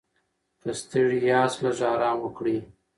که ستړي یاست، لږ ارام وکړئ.